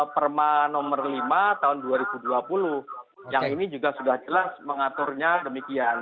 perma nomor lima tahun dua ribu dua puluh yang ini juga sudah jelas mengaturnya demikian